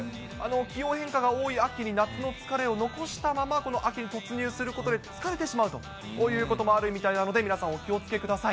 気温変化が多い秋に夏の疲れを残したまま、この秋に突入することで疲れてしまうということもあるみたいなので、皆さん、お気をつけください。